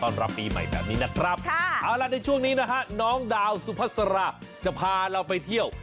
ในช่วงนี้นะฮะน้องดาวสุภาษาจะพาเราไปเที่ยว